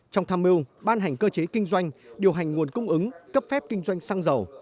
trong tham mưu ban hành cơ chế kinh doanh điều hành nguồn cung ứng cấp phép kinh doanh xăng dầu